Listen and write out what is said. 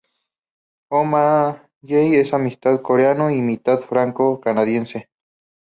O'Malley es mitad coreano y mitad franco-canadiense.